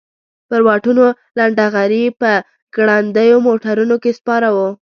پر واټونو لنډه غري په ګړندیو موټرونو کې سپاره وو.